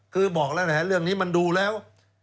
คือบอกแล้วนะฮะเรื่องนี้มันดูแล้ว